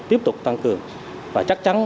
tiếp tục tăng cường và chắc chắn